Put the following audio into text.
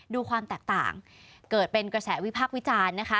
ดูความแตกต่างเกิดเป็นกระแสวิพักษ์วิจารณ์นะคะ